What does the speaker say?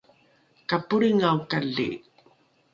ka polringaokali